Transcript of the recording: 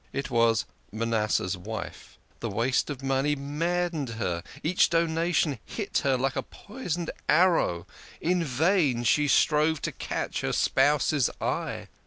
It was Manasseh's wife. The waste of money maddened her, each donation hit her like a poisoned arrow ; in vain she strove to catch her spouse's eye.